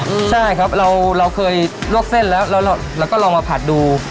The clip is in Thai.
อืมใช่ครับเราเราเคยลวกเส้นแล้วแล้วเราก็ลองมาผัดดู